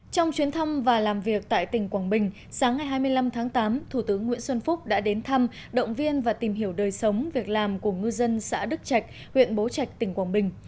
trong chuyến thăm và làm việc tại tỉnh quảng bình sáng ngày hai mươi năm tháng tám thủ tướng nguyễn xuân phúc đã đến thăm động viên và tìm hiểu đời sống việc làm của ngư dân xã đức trạch huyện bố trạch tỉnh quảng bình